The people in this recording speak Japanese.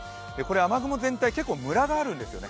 雨雲全体ムラがあるんですよね。